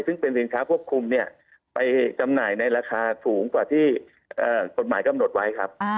ซึ่งเป็นสินค้าควบคุมไปจำหน่ายในราคาสูงกว่าที่กฎหมายกำหนดไว้ครับ